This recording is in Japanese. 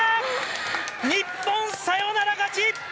日本、サヨナラ勝ち！